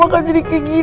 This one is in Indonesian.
gak usah lo buka ya